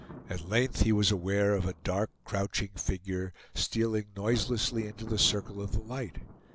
At length he was aware of a dark, crouching figure, stealing noiselessly into the circle of the light.